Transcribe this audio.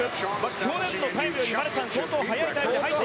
去年のタイムより相当速いタイム。